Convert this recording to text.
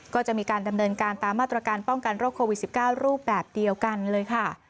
ก็จะมีการดำเนินการตามมาตรการป้องกันโรคโควิด๑๙รูปแบบเดียวกันเลยค่ะ